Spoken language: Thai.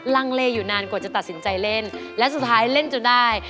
ลังเลอยู่นานกว่าจะตัดสินใจเล่นและสุดท้ายเล่นจนได้